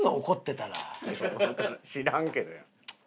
知らんけど。